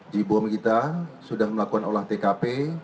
jibom kita sudah melakukan olah tkp